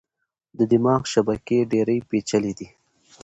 د دماغ شبکې ډېرې پېچلې دي.